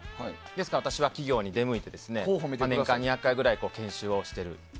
ですから私は企業に出向いて２００回くらい研修をしています。